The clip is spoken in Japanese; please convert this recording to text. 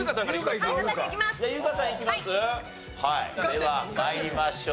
では参りましょう。